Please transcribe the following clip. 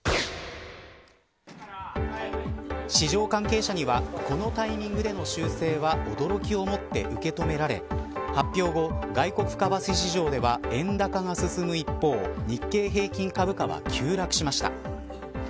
市場関係者にはこのタイミングでの修正は驚きをもって受け止められ発表後、外国為替市場では円高が進む一方日経平均株価は急落しました。